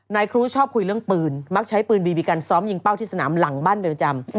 นายครูชอบคุยเรื่องปืนมักใช้ปืนบีบีกันซ้อมยิงเป้าที่สนามหลังบ้านเรือนจำ